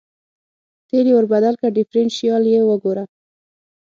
تېل یې ور بدل کړه، ډېفرېنشیال یې وګوره.